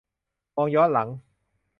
มองย้อนหลัง